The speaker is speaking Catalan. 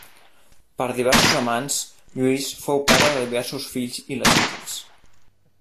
Per diversos amants, Lluís fou pare de diversos fills il·legítims.